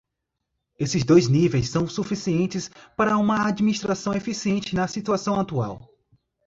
Esses dois níveis são suficientes para uma administração eficiente na situação atual.